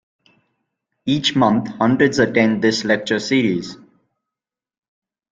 Each month hundreds attend this lecture series.